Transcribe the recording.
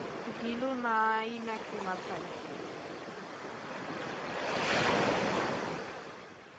ঘিলু নাই না-কি মাথায়?